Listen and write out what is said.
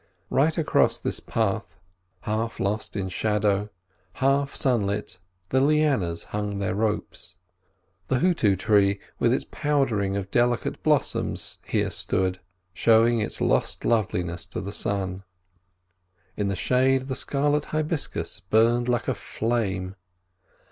Right across this path, half lost in shadow, half sunlit, the lianas hung their ropes. The hotoo tree, with its powdering of delicate blossoms, here stood, showing its lost loveliness to the sun; in the shade the scarlet hibiscus burned like a flame.